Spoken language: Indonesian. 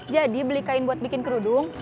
jadi beli kain buat bikin kerudung